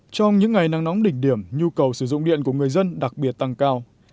trong những ngày nắng nóng đỉnh điểm nhu cầu sử dụng điện của người dân đặc biệt tăng cao